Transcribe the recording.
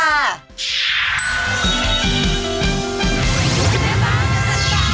สวัสดีครับทุกคน